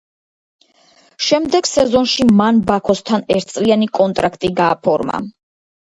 შემდეგ სეზონში მან ბაქოსთან ერთწლიანი კონტრაქტი გააფორმა.